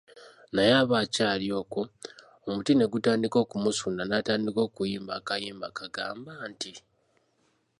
Naye aba akyali okwo, omuti ne gutandika okumusunda n'atandika okuyimba akayimba akagamba nti,